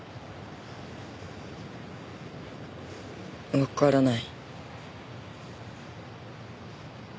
わからない。